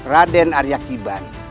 raden arya kiban